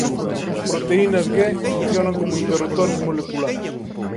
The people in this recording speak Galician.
As proteínas G funcionan como interruptores moleculares.